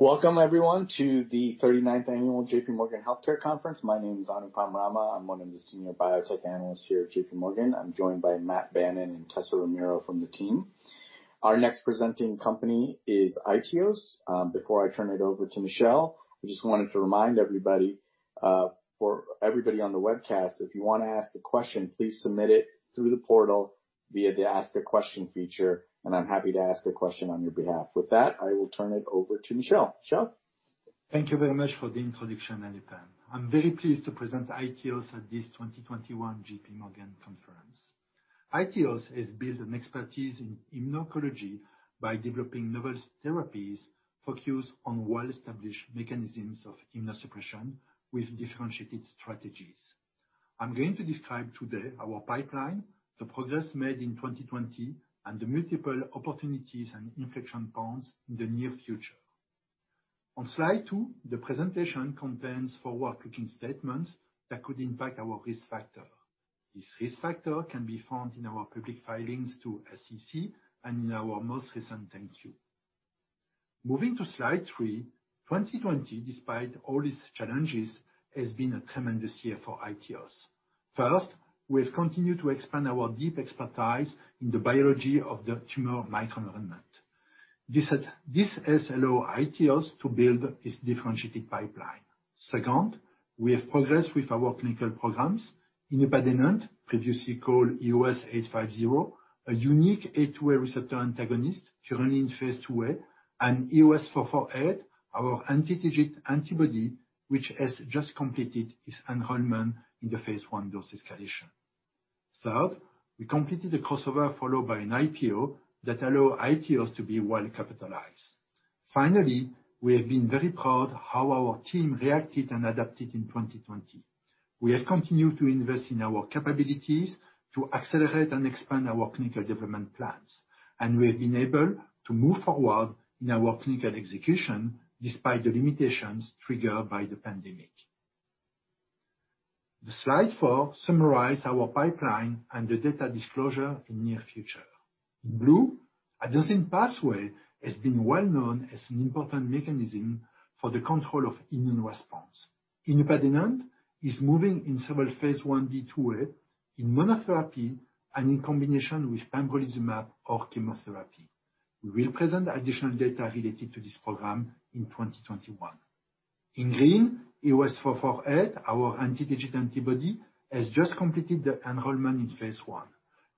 Welcome everyone to the 39th Annual J.P. Morgan Healthcare Conference. My name is Anupam Rama. I'm one of the senior biotech analysts here at J.P. Morgan. I'm joined by Matt Bannon and Tessa Romero from the team. Our next presenting company is iTeos. Before I turn it over to Michel, I just wanted to remind everybody, for everybody on the webcast, if you want to ask a question, please submit it through the portal via the Ask a Question feature, and I'm happy to ask a question on your behalf. With that, I will turn it over to Michel. Michel? Thank you very much for the introduction, Anupam. I'm very pleased to present iTeos at this 2021 J.P. Morgan conference. iTeos has built an expertise in immuno-oncology by developing novel therapies focused on well-established mechanisms of immunosuppression with differentiated strategies. I'm going to describe today our pipeline, the progress made in 2020, and the multiple opportunities and inflection points in the near future. On slide two, the presentation contains forward-looking statements that could impact our risk factor. This risk factor can be found in our public filings to SEC and in our most recent 10-Q. Moving to slide three, 2020, despite all its challenges, has been a tremendous year for iTeos. First, we have continued to expand our deep expertise in the biology of the tumor microenvironment. This has allowed iTeos to build its differentiated pipeline. Second, we have progressed with our clinical programs. Inupadenant, previously called EOS850, a unique A2A receptor antagonist currently in phase IIa, and EOS448, our anti-TIGIT antibody, which has just completed its enrollment in the phase I dose escalation. Third, we completed a crossover followed by an IPO that allow iTeos to be well-capitalized. Finally, we have been very proud how our team reacted and adapted in 2020. We have continued to invest in our capabilities to accelerate and expand our clinical development plans, we have been able to move forward in our clinical execution despite the limitations triggered by the pandemic. The slide four summarize our pipeline and the data disclosure in near future. In blue, adenosine pathway has been well-known as an important mechanism for the control of immune response. Inupadenant is moving in several phase I/IIa in monotherapy and in combination with pembrolizumab or chemotherapy. We will present additional data related to this program in 2021. In green, EOS448, our anti-TIGIT antibody, has just completed the enrollment in phase I.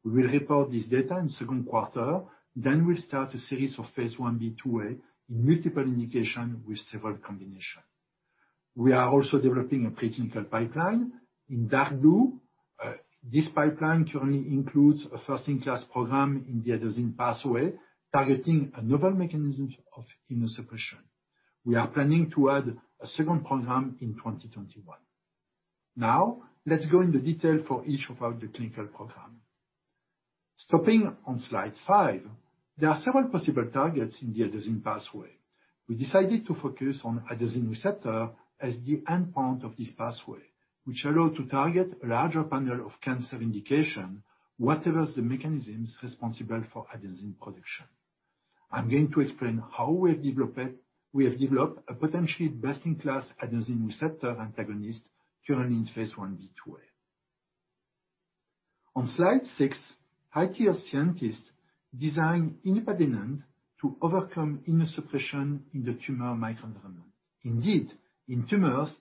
We will report this data in second quarter, then we'll start a series of phase I-B/II-A in multiple indication with several combination. We are also developing a preclinical pipeline. In dark blue, this pipeline currently includes a first-in-class program in the adenosine pathway targeting a novel mechanism of immunosuppression. We are planning to add a second program in 2021. Now, let's go into detail for each of our clinical program. Stopping on slide five, there are several possible targets in the adenosine pathway. We decided to focus on adenosine receptor as the endpoint of this pathway, which allow to target a larger panel of cancer indication, whatever the mechanisms responsible for adenosine production. I'm going to explain how we have developed a potentially best-in-class adenosine receptor antagonist currently in phase I-B/II-A. On slide six, iTeos scientist designed inupadenant to overcome immunosuppression in the tumor microenvironment. In tumors,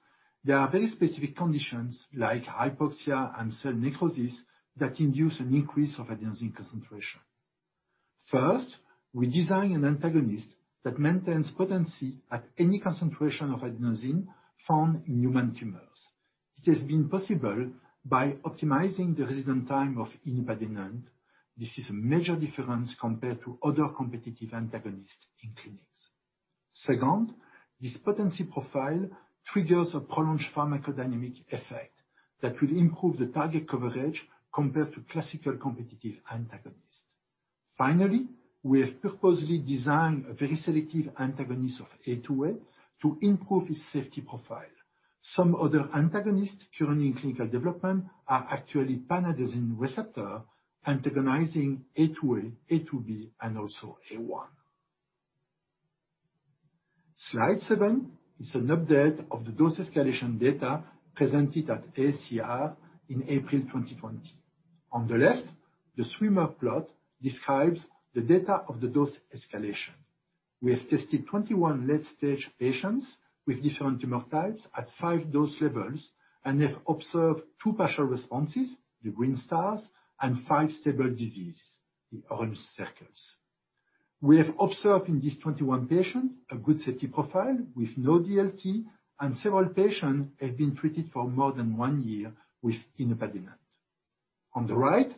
there are very specific conditions like hypoxia and cell necrosis that induce an increase of adenosine concentration. First, we design an antagonist that maintains potency at any concentration of adenosine found in human tumors. It has been possible by optimizing the resident time of inupadenant. This is a major difference compared to other competitive antagonists in clinics. Second, this potency profile triggers a prolonged pharmacodynamic effect that will improve the target coverage compared to classical competitive antagonists. Finally, we have purposely designed a very selective antagonist of A2A to improve its safety profile. Some other antagonists currently in clinical development are actually pan-adenosine receptor antagonizing A2A, A2B, and also A1. Slide seven is an update of the dose escalation data presented at AACR in April 2020. On the left, the swimmer plot describes the data of the dose escalation. We have tested 21 late-stage patients with different tumor types at five dose levels and have observed two partial responses, the green stars, and five stable diseases, the orange circles. We have observed in these 21 patients a good safety profile with no DLT, and several patients have been treated for more than one year with inupadenant. On the right,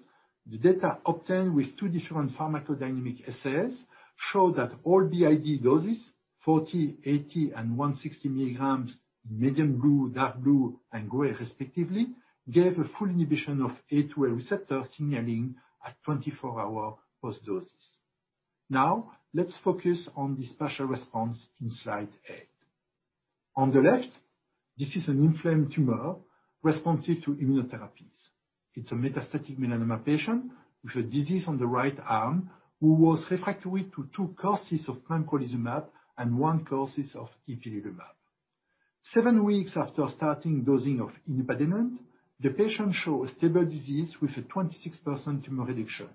the data obtained with two different pharmacodynamic assays show that all the BID doses, 40 mg, 80 mg, and 160 mg, medium blue, dark blue, and gray respectively, gave a full inhibition of A2A receptor signaling at 24-hour post-doses. Let's focus on this partial response in slide eight. On the left, this is an inflamed tumor responsive to immunotherapies. It's a metastatic melanoma patient with a disease on the right arm who was refractory to two courses of pembrolizumab and one courses of ipilimumab. Seven weeks after starting dosing of inupadenant, the patient showed stable disease with a 26% tumor reduction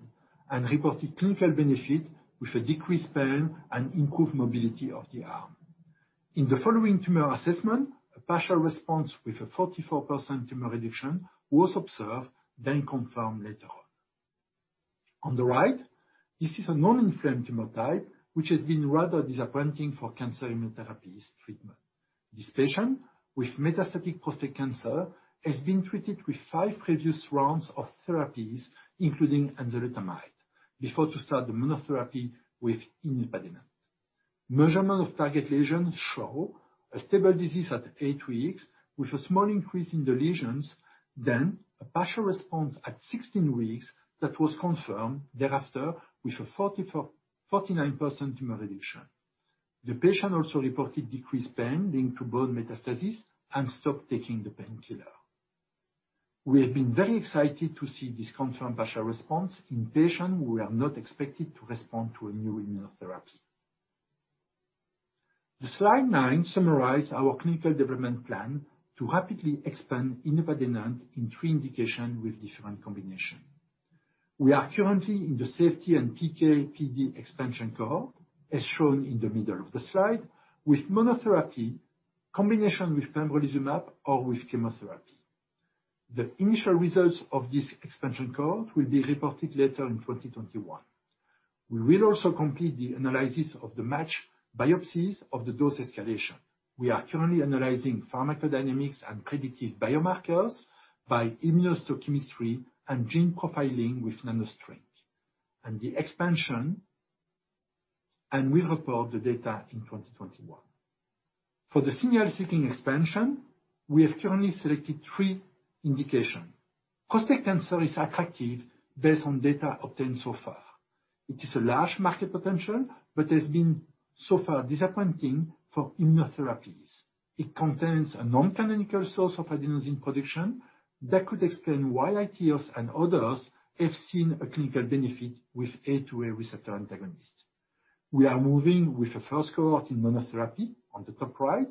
and reported clinical benefit with a decreased pain and improved mobility of the arm. In the following tumor assessment, a partial response with a 44% tumor reduction was observed, then confirmed later on. On the right, this is a non-inflamed tumor type, which has been rather disappointing for cancer immunotherapies treatment. This patient with metastatic prostate cancer has been treated with five previous rounds of therapies, including enzalutamide, before to start the monotherapy with inupadenant. Measurement of target lesions show a stable disease at eight weeks with a small increase in the lesions, a partial response at 16 weeks that was confirmed thereafter with a 49% tumor reduction. The patient also reported decreased pain linked to bone metastasis and stopped taking the painkiller. We have been very excited to see this confirmed partial response in patient who were not expected to respond to a new immunotherapy. The slide nine summarize our clinical development plan to rapidly expand inupadenant in three indication with different combination. We are currently in the safety and PK/PD expansion cohort, as shown in the middle of the slide, with monotherapy, combination with pembrolizumab or with chemotherapy. The initial results of this expansion cohort will be reported later in 2021. We will also complete the analysis of the matched biopsies of the dose escalation. We are currently analyzing pharmacodynamics and predictive biomarkers by immunohistochemistry and gene profiling with NanoString. The expansion, we'll report the data in 2021. For the signal-seeking expansion, we have currently selected three indication. prostate cancer is attractive based on data obtained so far. It is a large market potential, but has been so far disappointing for immunotherapies. It contains a non-canonical source of adenosine production that could explain why iTeos and others have seen a clinical benefit with A2A receptor antagonist. We are moving with a first cohort in monotherapy on the top right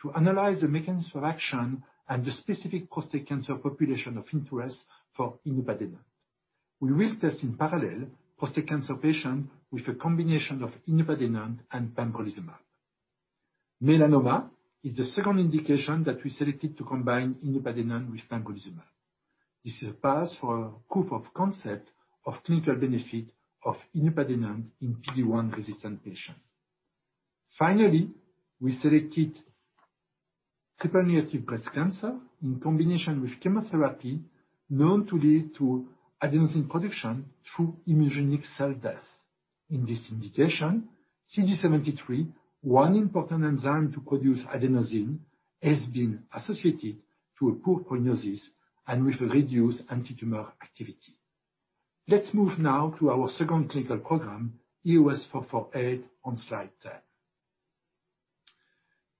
to analyze the mechanism of action and the specific prostate cancer population of interest for inupadenant. We will test in parallel prostate cancer patient with a combination of inupadenant and pembrolizumab. melanoma is the second indication that we selected to combine inupadenant with pembrolizumab. This is a path for a proof of concept of clinical benefit of inupadenant in PD-1 resistant patient. We selected triple negative breast cancer in combination with chemotherapy known to lead to adenosine production through immunogenic cell death. In this indication, CD73, one important enzyme to produce adenosine, has been associated to a poor prognosis and with a reduced antitumor activity. Let's move now to our second clinical program, EOS448, on slide 10.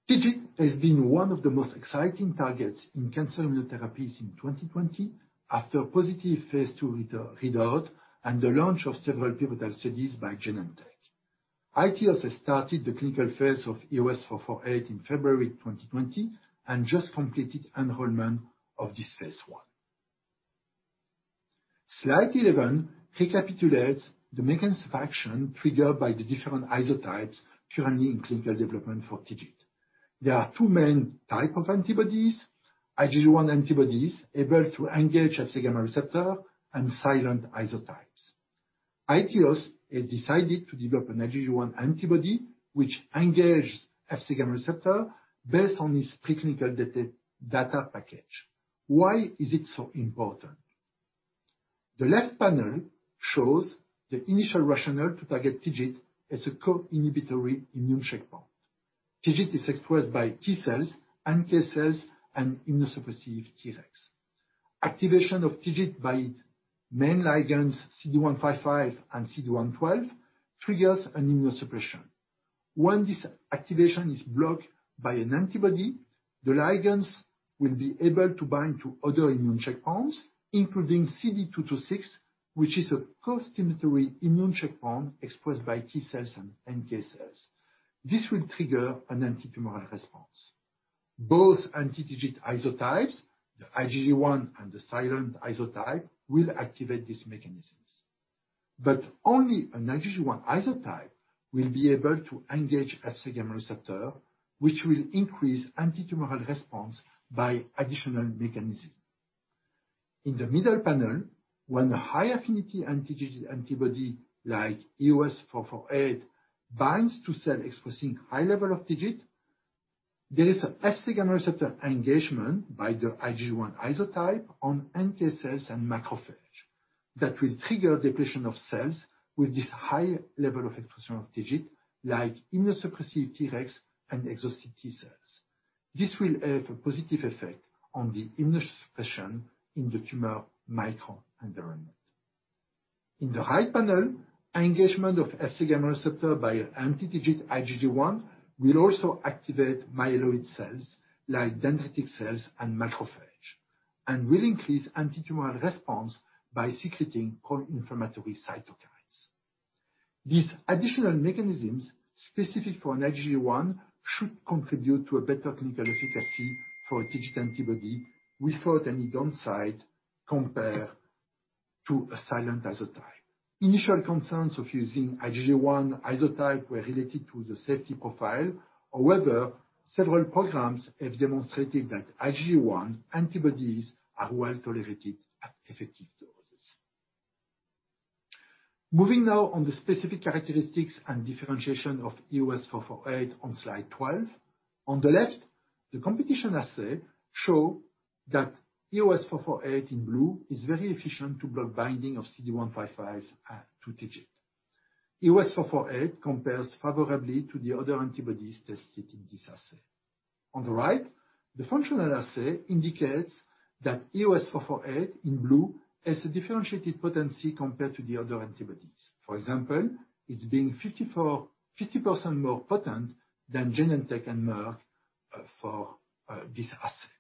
TIGIT has been one of the most exciting targets in cancer immunotherapies in 2020 after a positive phase II readout and the launch of several pivotal studies by Genentech. iTeos has started the clinical phase of EOS448 in February 2020 and just completed enrollment of this phase I. Slide 11 recapitulates the mechanism of action triggered by the different isotypes currently in clinical development for TIGIT. There are two main type of antibodies, IgG1 antibodies, able to engage Fc gamma receptor and silent isotypes. iTeos has decided to develop an IgG1 antibody, which engages Fc gamma receptor based on this preclinical data package. Why is it so important? The left panel shows the initial rationale to target TIGIT as a co-inhibitory immune checkpoint. TIGIT is expressed by T cells, NK cells, and immunosuppressive Tregs. Activation of TIGIT by main ligands, CD155 and CD112, triggers an immunosuppression. When this activation is blocked by an antibody, the ligands will be able to bind to other immune checkpoints, including CD226, which is a costimulatory immune checkpoint expressed by T cells and NK cells. This will trigger an antitumor response. Both anti-TIGIT isotypes, the IgG1 and the silent isotype, will activate these mechanisms. Only an IgG1 isotype will be able to engage Fc gamma receptor, which will increase antitumor response by additional mechanisms. In the middle panel, when the high affinity anti-TIGIT antibody like EOS448 binds to cell expressing high level of TIGIT, there is a Fc gamma receptor engagement by the IgG1 isotype on NK cells and macrophage that will trigger depletion of cells with this high level of expression of TIGIT like immunosuppressive Tregs and exhausted T cells. This will have a positive effect on the immunosuppression in the tumor microenvironment. In the right panel, engagement of Fc gamma receptor by an anti-TIGIT IgG1 will also activate myeloid cells, like dendritic cells and macrophage, and will increase antitumor response by secreting pro-inflammatory cytokines. These additional mechanisms, specific for an IgG1, should contribute to a better clinical efficacy for a TIGIT antibody without any downside compared to a silent isotype. Initial concerns of using IgG1 isotype were related to the safety profile. Several programs have demonstrated that IgG1 antibodies are well-tolerated at effective doses. Moving now on the specific characteristics and differentiation of EOS448 on slide 12. On the left, the competition assay show that EOS448, in blue, is very efficient to block binding of CD155 and to TIGIT. EOS448 compares favorably to the other antibodies tested in this assay. On the right, the functional assay indicates that EOS448, in blue, has a differentiated potency compared to the other antibodies. For example, it's being 50% more potent than Genentech and Merck for this assay.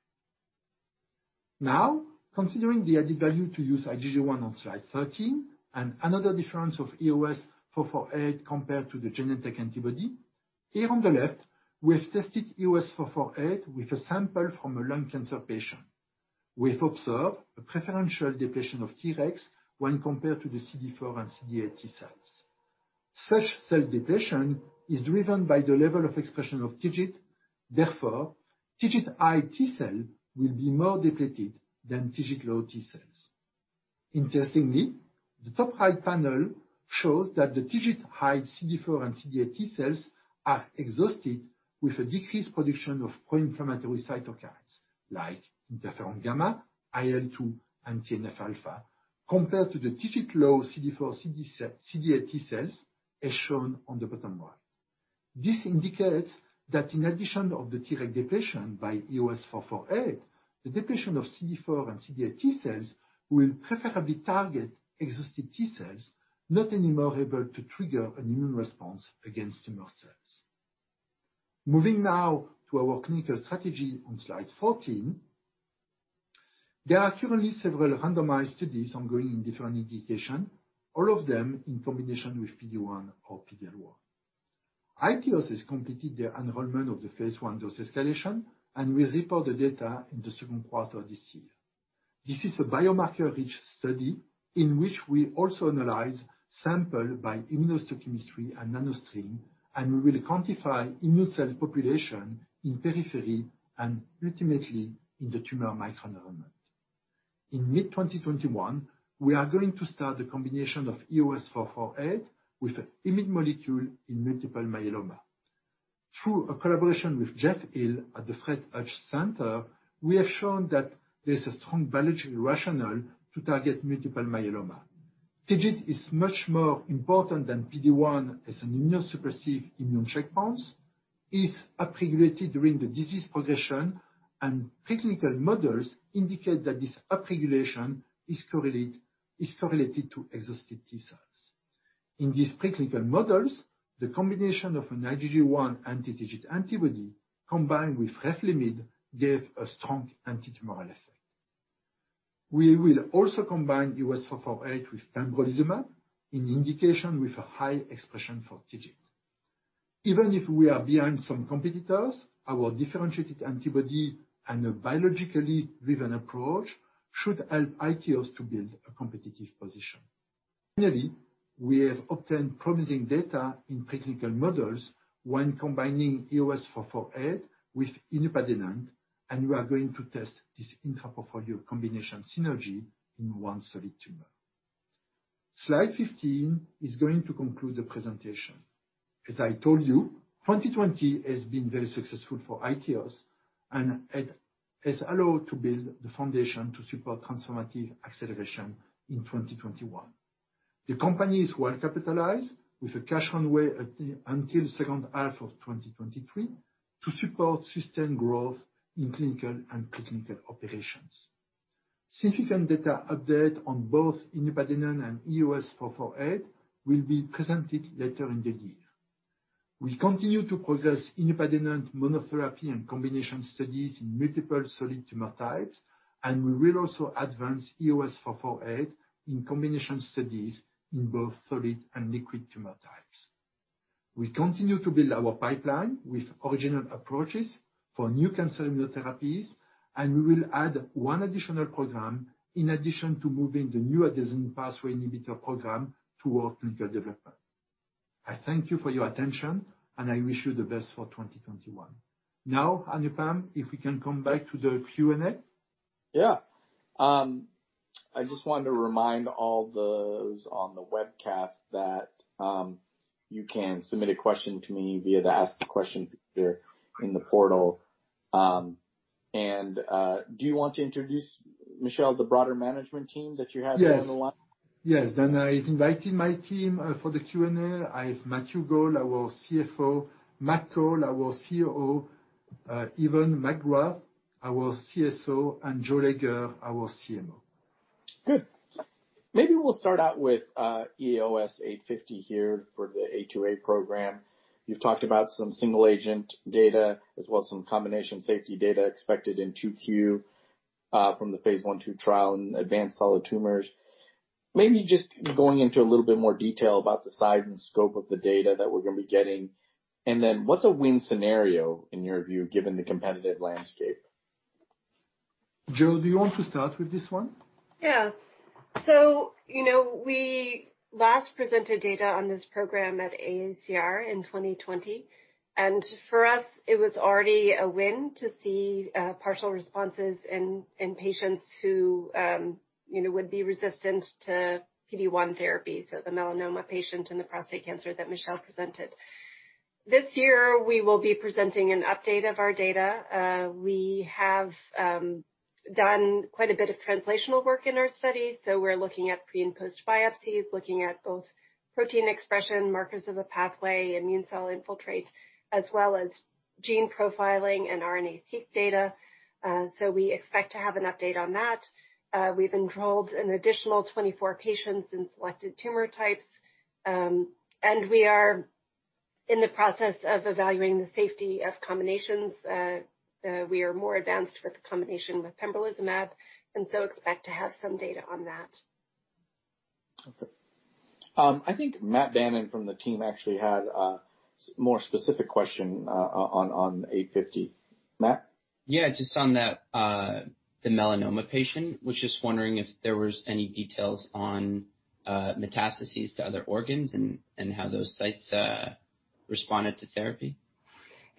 Considering the added value to use IgG1 on slide 13, and another difference of EOS448 compared to the Genentech antibody. Here on the left, we have tested EOS448 with a sample from a lung cancer patient. We have observed a preferential depletion of Tregs when compared to the CD4 and CD8 T cells. Such self-depletion is driven by the level of expression of TIGIT, therefore TIGIT high T cell will be more depleted than TIGIT low T cells. Interestingly, the top right panel shows that the TIGIT high CD4 and CD8 T cells are exhausted, with a decreased production of pro-inflammatory cytokines like interferon gamma, IL-2, and TNF alpha, compared to the TIGIT low CD4, CD8 T cells, as shown on the bottom right. This indicates that in addition of the Tregs depletion by EOS448, the depletion of CD4 and CD8 T cells will preferably target exhausted T cells, not anymore able to trigger an immune response against tumor cells. Moving now to our clinical strategy on slide 14. There are currently several randomized studies ongoing in different indications, all of them in combination with PD-1 or PD-L1. iTeos has completed their enrollment of the phase I dose escalation and will report the data in the second quarter of this year. This is a biomarker-rich study in which we also analyze sample by immunohistochemistry and NanoString, and we will quantify immune cell population in periphery and ultimately in the tumor microenvironment. In mid 2021, we are going to start the combination of EOS448 with an IMiD molecule in multiple myeloma. Through a collaboration with Jeff Hill, we have shown that there's a strong biological rationale to target multiple myeloma. TIGIT is much more important than PD-1 as an immunosuppressive immune checkpoint. It's upregulated during the disease progression, and preclinical models indicate that this upregulation is correlated to exhausted T cells. In these preclinical models, the combination of an IgG1 anti-TIGIT antibody combined with Revlimid gave a strong antitumor effect. We will also combine EOS448 with pembrolizumab in indication with a high expression for TIGIT. Even if we are behind some competitors, our differentiated antibody and a biologically driven approach should help iTeos to build a competitive position. Finally, we have obtained promising data in preclinical models when combining EOS448 with inupadenant, and we are going to test this intra-portfolio combination synergy in one solid tumor. Slide 15 is going to conclude the presentation. As I told you, 2020 has been very successful for iTeos and it has allowed to build the foundation to support transformative acceleration in 2021. The company is well capitalized with a cash runway until the second half of 2023 to support sustained growth in clinical and preclinical operations. Significant data update on both inupadenant and EOS448 will be presented later in the year. We continue to progress inupadenant monotherapy and combination studies in multiple solid tumor types, and we will also advance EOS448 in combination studies in both solid and liquid tumor types. We continue to build our pipeline with original approaches for new cancer immunotherapies, and we will add one additional program in addition to moving the new adenosine pathway inhibitor program to our clinical development. I thank you for your attention, and I wish you the best for 2021. Anupam, if we can come back to the Q&A. Yeah. I just wanted to remind all those on the webcast that you can submit a question to me via the Ask a Question feature in the portal. Do you want to introduce, Michel, the broader management team that you have here on the line? Yes. I invited my team for the Q&A. I have Matthew Gall, our CFO, Matthew Call, our COO, Yvonne McGrath, our CSO, and Joanne Lager, our CMO. Good. Maybe we'll start out with inupadenant here for the A2A program. You've talked about some single agent data as well as some combination safety data expected in 2Q from the phase I-II trial in advanced solid tumors. Maybe just going into a little bit more detail about the size and scope of the data that we're going to be getting, and then what's a win scenario, in your view, given the competitive landscape? Jo, do you want to start with this one? Yeah. We last presented data on this program at AACR in 2020. For us, it was already a win to see partial responses in patients who would be resistant to PD-1 therapy, so the melanoma patient and the prostate cancer that Michel presented. This year, we will be presenting an update of our data. We have done quite a bit of translational work in our study, so we're looking at pre- and post-biopsies, looking at both protein expression, markers of a pathway, immune cell infiltrates, as well as gene profiling and RNA-Seq data. We've enrolled an additional 24 patients in selected tumor types. We are in the process of evaluating the safety of combinations. We are more advanced with the combination with pembrolizumab, and so expect to have some data on that. Okay. I think Matthew Bannon from the team actually had a more specific question on EOS850. Matt? Yeah. Just on the melanoma patient, was just wondering if there was any details on metastases to other organs and how those sites responded to therapy?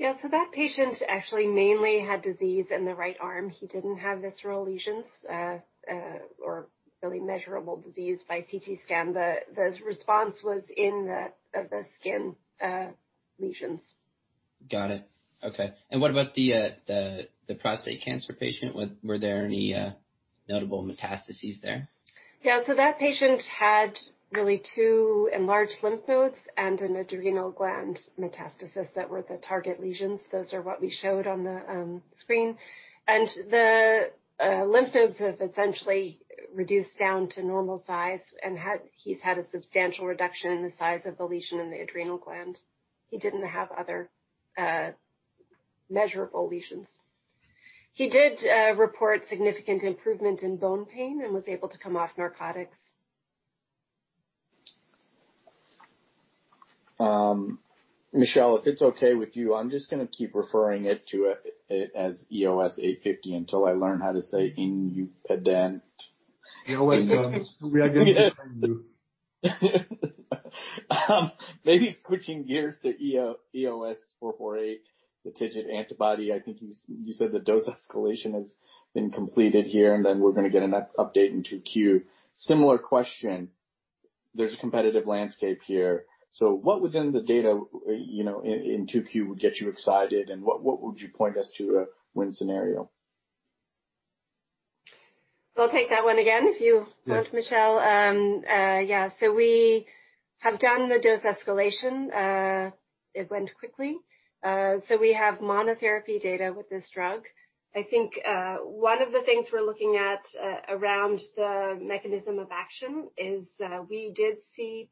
That patient actually mainly had disease in the right arm. He didn't have visceral lesions or really measurable disease by CT scan. The response was in the skin lesions. Got it. Okay. What about the prostate cancer patient? Were there any notable metastases there? Yeah. That patient had really two enlarged lymph nodes and an adrenal gland metastasis that were the target lesions. Those are what we showed on the screen. The lymph nodes have essentially reduced down to normal size, and he's had a substantial reduction in the size of the lesion in the adrenal gland. He didn't have other measurable lesions. He did report significant improvement in bone pain and was able to come off narcotics. Michel, if it's okay with you, I'm just going to keep referring it to it as inupadenant until I learn how to say inupadenant. We are going to get there. Maybe switching gears to EOS448, the TIGIT antibody. I think you said the dose escalation has been completed here, and then we're going to get an update in 2Q. Similar question. There's a competitive landscape here. What within the data in 2Q would get you excited, and what would you point us to a win scenario? I'll take that one again if you want, Michel. We have done the dose escalation. It went quickly. We have monotherapy data with this drug. I think one of the things we're looking at around the mechanism of action is we did see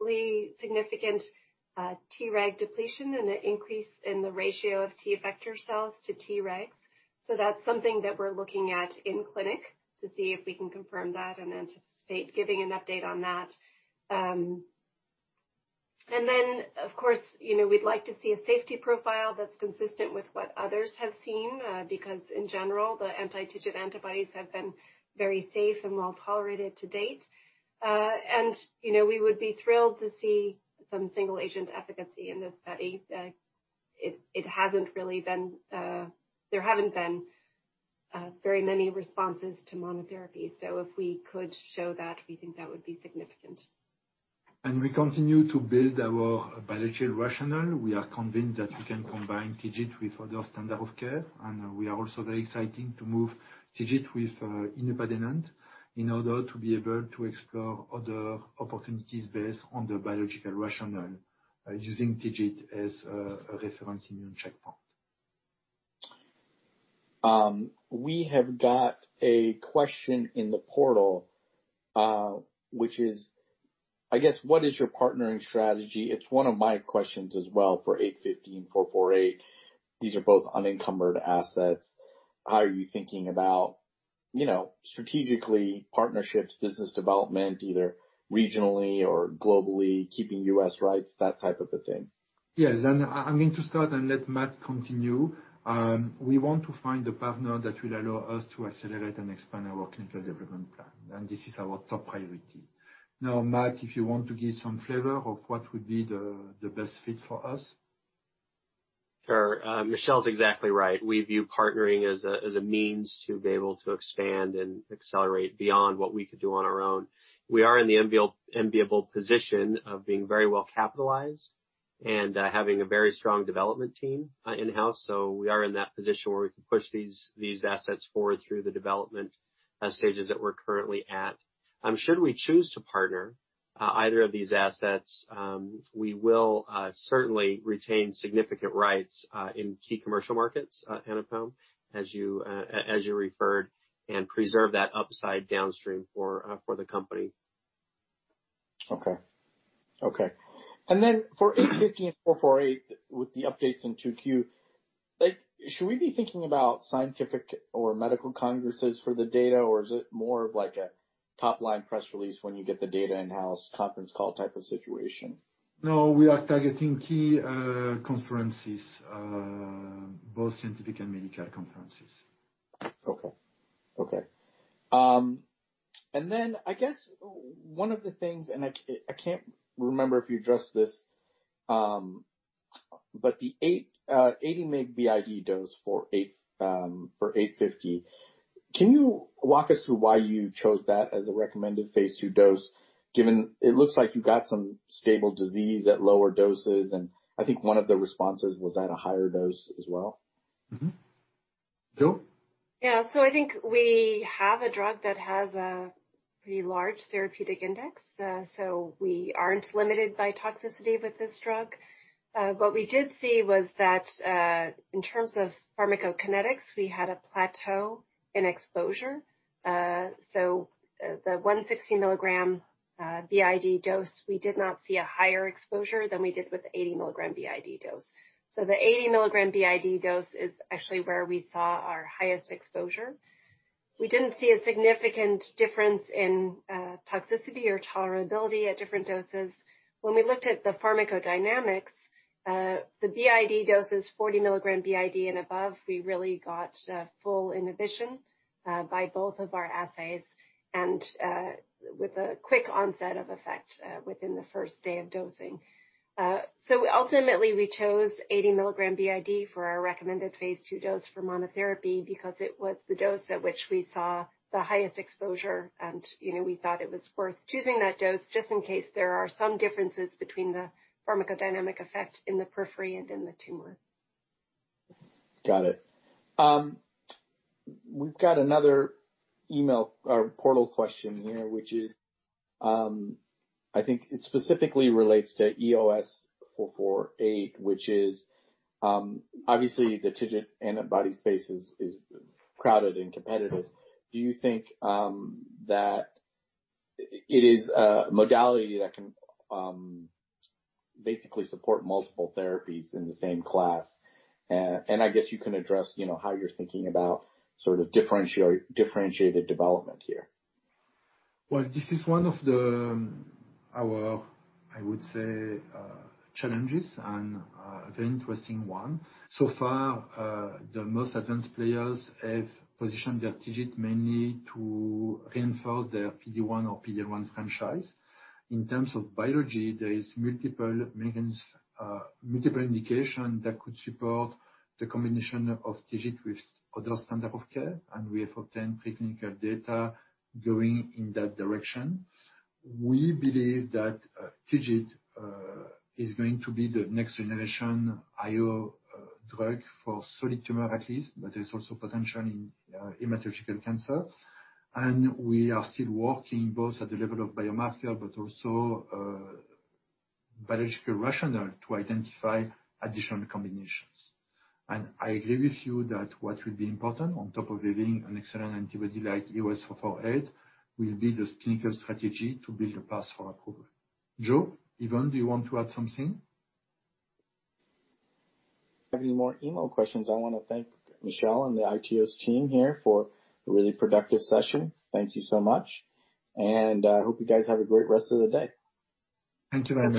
preclinically significant Treg depletion and an increase in the ratio of T effector cells to Tregs. That's something that we're looking at in clinic to see if we can confirm that and anticipate giving an update on that. Of course, we'd like to see a safety profile that's consistent with what others have seen, because in general, the anti-TIGIT antibodies have been very safe and well-tolerated to date. We would be thrilled to see some single-agent efficacy in this study. There haven't been very many responses to monotherapy. If we could show that, we think that would be significant. We continue to build our biological rationale. We are convinced that we can combine TIGIT with other standard of care, and we are also very exciting to move TIGIT with inupadenant in order to be able to explore other opportunities based on the biological rationale using TIGIT as a reference immune checkpoint. We have got a question in the portal, which is, I guess, what is your partnering strategy? It's one of my questions as well for EOS850, EOS448. These are both unencumbered assets. How are you thinking about strategically partnerships, business development, either regionally or globally, keeping U.S. rights, that type of a thing? Yes. I'm going to start and let Matt continue. We want to find a partner that will allow us to accelerate and expand our clinical development plan. This is our top priority. Matt, if you want to give some flavor of what would be the best fit for us. Sure. Michel's exactly right. We view partnering as a means to be able to expand and accelerate beyond what we could do on our own. We are in the enviable position of being very well capitalized and having a very strong development team in-house. We are in that position where we can push these assets forward through the development stages that we're currently at. Should we choose to partner-either of these assets, we will certainly retain significant rights in key commercial markets, Anupam, as you referred, and preserve that upside downstream for the company. Okay. Then for EOS850 and EOS448, with the updates in 2Q, should we be thinking about scientific or medical congresses for the data, or is it more of a top-line press release when you get the data in-house conference call type of situation? No, we are targeting key conferences, both scientific and medical conferences. Okay. I guess one of the things, and I can't remember if you addressed this, but the 80 mg BID dose for EOS850, can you walk us through why you chose that as a recommended phase II dose, given it looks like you got some stable disease at lower doses, and I think one of the responses was at a higher dose as well? Mm-hmm. Jo? I think we have a drug that has a pretty large therapeutic index, so we aren't limited by toxicity with this drug. What we did see was that, in terms of pharmacokinetics, we had a plateau in exposure. The 160 mg BID dose, we did not see a higher exposure than we did with 80 mg BID dose. The 80 mg BID dose is actually where we saw our highest exposure. We didn't see a significant difference in toxicity or tolerability at different doses. When we looked at the pharmacodynamics, the BID doses 40 mg BID and above, we really got full inhibition by both of our assays, and with a quick onset of effect within the first day of dosing. Ultimately, we chose 80 mg BID for our recommended phase II dose for monotherapy because it was the dose at which we saw the highest exposure, and we thought it was worth choosing that dose just in case there are some differences between the pharmacodynamic effect in the periphery and in the tumor. Got it. We've got another portal question here, which is, I think it specifically relates to EOS448, which is obviously the TIGIT antibody space is crowded and competitive. Do you think that it is a modality that can basically support multiple therapies in the same class? I guess you can address how you're thinking about differentiated development here. This is one of our, I would say, challenges and a very interesting one. So far, the most advanced players have positioned their TIGIT mainly to reinforce their PD-1 or PD-L1 franchise. In terms of biology, there is multiple indication that could support the combination of TIGIT with other standard of care. We have obtained preclinical data going in that direction. We believe that TIGIT is going to be the next generation IO drug for solid tumor at least, but there's also potential in hematological cancer. We are still working both at the level of biomarker, but also biological rationale to identify additional combinations. I agree with you that what will be important, on top of having an excellent antibody like EOS448, will be the clinical strategy to build a path for approval. Jo, Yvonne, do you want to add something? Any more email questions, I want to thank Michel and the iTeos team here for a really productive session. Thank you so much. I hope you guys have a great rest of the day. Thank you very much.